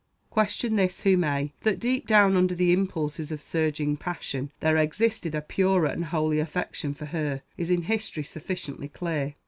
Question this who may, that deep down under the impulses of surging passion there existed a purer and holier affection for her, is in history sufficiently clear.